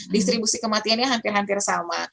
distribusi kematiannya hampir hampir sama